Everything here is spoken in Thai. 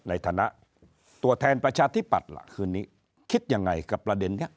ในฐานะตัวแทนประชาธิปัตย์ล่ะคืนนี้คิดยังไงกับประเด็นนี้